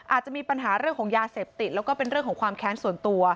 อาจจะมีปัญหาเรื่องของยาเสพติดแล้วก็เป็นเรื่องของความแค้นส่วนตัว